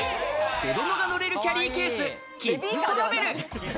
子供が乗れるキャリーケース・キッズトラベル。